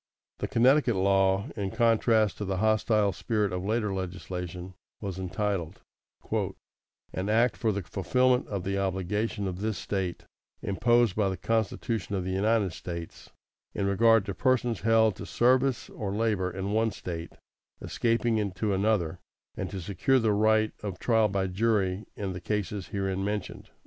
The Connecticut law, in contrast to the hostile spirit of later legislation, was entitled, "An Act for the fulfilment of the obligation of this State imposed by the Constitution of the United States in regard to persons held to service or labor in one State escaping into another, and to secure the right of trial by jury in the cases herein mentioned."